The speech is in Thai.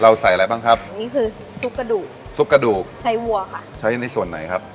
ใส่อะไรบ้างครับนี่คือทุกกระดูกทุกกระดูกใช้วัวค่ะใช้ในส่วนไหนครับ